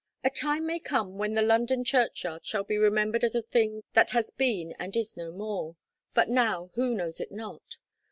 A time may come when the London churchyard shall be remembered as a thing that has been and is no more; but now who knows it not?